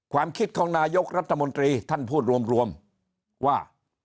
ความคิดของนายกรัฐมนตรีท่านพูดรวมว่า